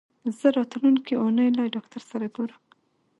زه راتلونکې اونۍ له ډاکټر سره ګورم.